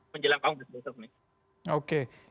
menjelang kongres besok ini